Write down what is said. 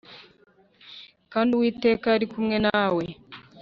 kandi Uwiteka yari kumwe na we.